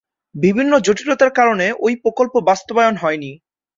বিভিন্ন জটিলতার কারণে ঐ প্রকল্প বাস্তবায়ন হয়নি।